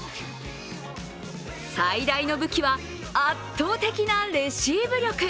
最大の武器は圧倒的なレシーブ力。